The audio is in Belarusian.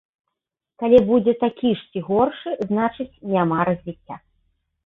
Калі будзе такі ж ці горшы, значыць, няма развіцця.